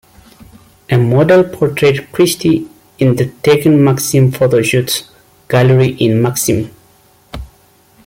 A model portrayed Christie in the "Tekken Maxim Photoshoot" gallery in "Maxim".